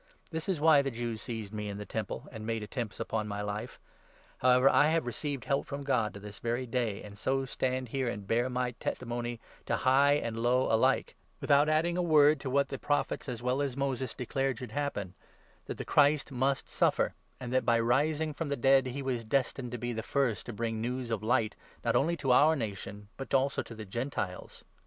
This is why the Jews seized me in the Temple, and made 21 attempts upon my life. However I have received help from 22 God to this very day, and so stand here, and bear my testimony to high and low alike — without adding a word to J« Ezelc. a. i. " i Chron. 16. 35. 17—18 Jga. 42. 7( ,e; Deut. 33. 3, 4. THE ACTS, 26 27. 265 what the Prophets, as well as Moses, declared should happen — that the Christ must suffer, and that, by rising from the 23 dead, he was destined to be the first to bring news of Light, not only to our nation, but also to the Gentiles."